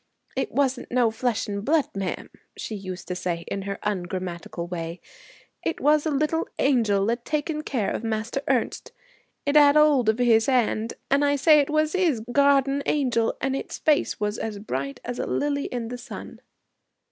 "It wasn't no flesh and blood, ma'am," she used to say in her ungrammatical way; "it was a little angel a taking care of Master Ernest. It 'ad 'old of 'is 'and. And I say it was 'is garden angel, and its face was as bright as a lily in the sun."'